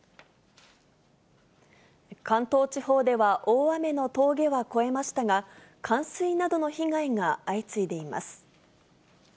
関東地方では大雨の峠は越えましたが、冠水などの被害が相次いでいます。